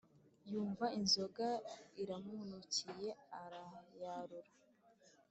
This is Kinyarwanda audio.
yumva inzoga iramunukiye arayarura